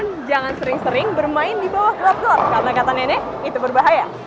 namun jangan sering sering bermain di bawah glove door karena kata nenek itu berbahaya